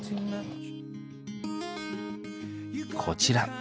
こちら。